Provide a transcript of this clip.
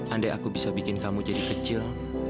andai aku bisa bikin kamu jadi kecil